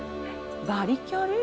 バリキャリ？